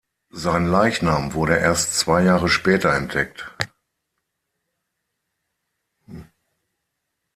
Sein Leichnam wurde erst zwei Jahre später entdeckt.